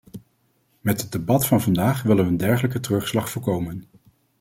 Met het debat van vandaag willen we een dergelijke terugslag voorkomen.